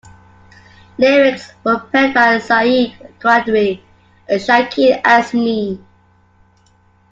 Lyrics were penned by Sayeed Quadri and Shakeel Azmi.